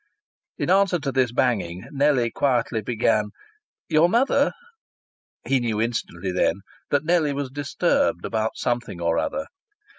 In answer to this banging Nellie quietly began: "Your mother " (He knew instantly, then, that Nellie was disturbed about something or other.